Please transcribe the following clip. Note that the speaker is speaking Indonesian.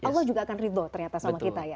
allah juga akan ridho ternyata sama kita ya